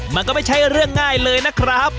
มันก็ไม่ใช่เรื่องง่ายเลยนะครับ